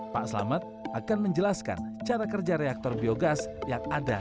pak selamat akan menjelaskan cara kerja reaktor biogas yang ada